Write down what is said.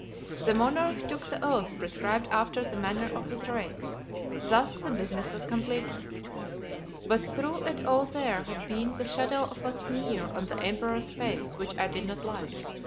The monarch took the oath prescribed after the manner of his race: thus the business was completed. But through it all there had been the shadow of a sneer on the emperor's face which I did not like.